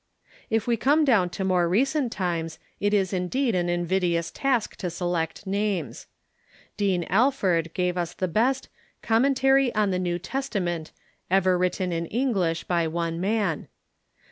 If w^e come down to more recent times it is indeed an invidious task to select names. Dean Alford gave us the best "Commentary on the New Testament " ever written in English by one man.